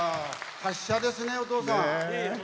達者ですね、お父さん。